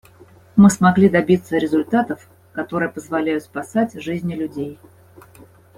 Мы смогли добиться результатов, которые позволяют спасать жизни людей.